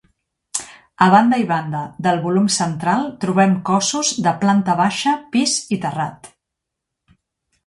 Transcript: A banda i banda del volum central trobem cossos de planta baixa, pis i terrat.